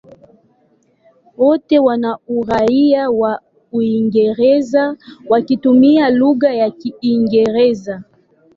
Wote wana uraia wa Uingereza wakitumia lugha ya Kiingereza.